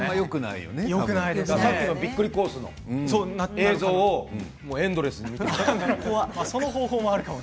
さっきのびっくりコースの映像をエンドレスで見ていただければ。